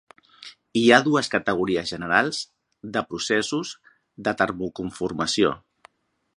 Hi ha dues categories generals de processos de termocomformació.